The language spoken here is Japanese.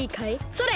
それ！